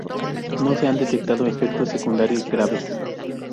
No se han detectado efectos secundarios graves.